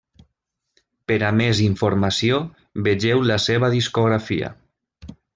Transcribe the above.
Per a més informació, vegeu la seva discografia.